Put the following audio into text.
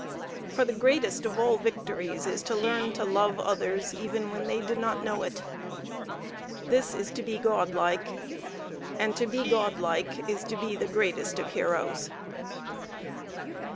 For the greatest of all victories is to learn to love others even when they do not know it. This is to be God like, and to be God like is to be the greatest of heroes.